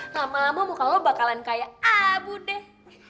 lama lama muka lo bakalan kayak abu deh